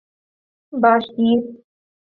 Bashkir